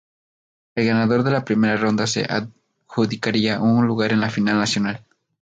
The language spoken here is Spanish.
El ganador de la primera ronda se adjudicaría un lugar en la final nacional.